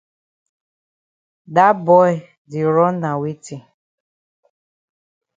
Dat boy di run na weti?